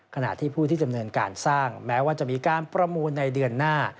ขณะที่ผู้ที่ดำเนินการสร้างแม้ว่าจะมีการประมูลในเดือนหน้า